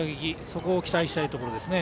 そこを期待したいところですね。